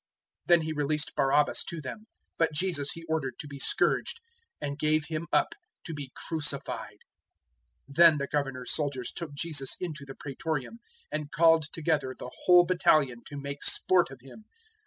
027:026 Then he released Barabbas to them, but Jesus he ordered to be scourged, and gave Him up to be crucified. 027:027 Then the Governor's soldiers took Jesus into the Praetorium, and called together the whole battalion to make sport of Him.